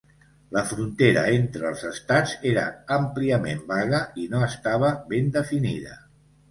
La frontera entre els estats era àmpliament vaga i no estava ben definida.